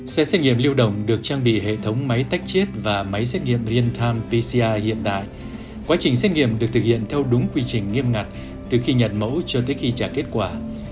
xét nghiệm lưu động được trang bị hệ thống máy tách chiết và máy xét nghiệm real time pcr hiện đại quá trình xét nghiệm được thực hiện theo đúng quy trình nghiêm ngặt từ khi nhận mẫu cho tới khi trả kết quả